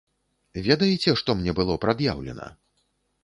Ведаеце, што мне было прад'яўлена?